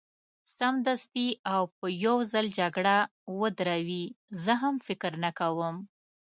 سمدستي او په یو ځل جګړه ودروي، زه هم فکر نه کوم.